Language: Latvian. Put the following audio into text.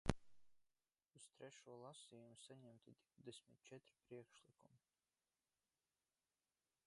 Uz trešo lasījumu saņemti divdesmit četri priekšlikumi.